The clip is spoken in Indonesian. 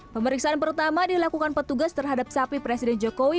pemeriksaan pertama dilakukan petugas terhadap sapi presiden jokowi